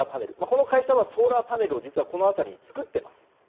実は、会社はソーラーパネルをこの辺りに作っています。